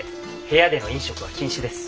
部屋での飲食は禁止です。